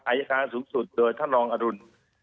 อายการสูงสุดโดยท่านรองอดุล